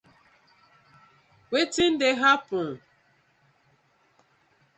Wetin dey happen?